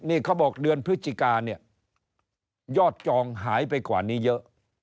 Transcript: นี่เขาบอกเดือนพฤศจิกาเนี่ยยอดจองหายไปกว่านี้เยอะ